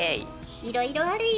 いろいろあるよ。